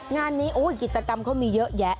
งานนี้กิจกรรมเขามีเยอะแยะ